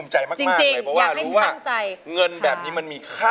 อายุ๒๔ปีวันนี้บุ๋มนะคะ